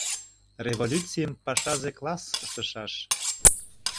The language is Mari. — Революцийым пашазе класс ыштышаш.